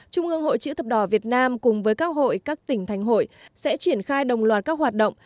trung ương hội chữ thập đỏ việt nam cùng với các hội các tỉnh thành hội sẽ triển khai đồng loạt các hoạt động